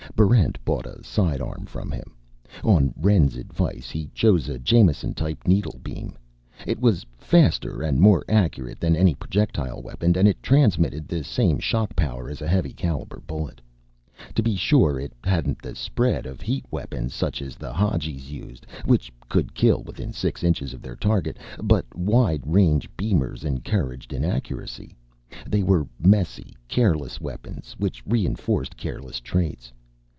Barrent bought a sidearm from him. On Rend's advice, he chose a Jamiason Tyre needlebeam. It was faster and more accurate than any projectile weapon, and it transmitted the same shock power as a heavy caliber bullet. To be sure, it hadn't the spread of heat weapons such as the Hadjis used, which could kill within six inches of their target. But wide range beamers encouraged inaccuracy. They were messy, careless weapons which reinforced careless traits.